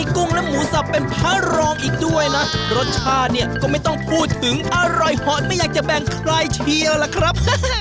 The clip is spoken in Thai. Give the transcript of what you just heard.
ถึงอร่อยเฮาะไม่อยากจะแบ่งใครเชียวล่ะครับ